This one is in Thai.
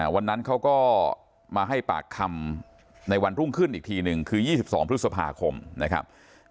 วันนั้นเขาก็มาให้ปากคำในวันรุ่งขึ้นอีกทีหนึ่งคือ๒๒พฤษภาคมนะครับ